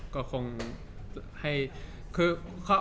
คือ